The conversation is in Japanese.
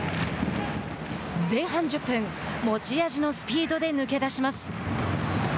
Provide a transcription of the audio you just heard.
前半１０分、持ち味のスピードで抜け出します。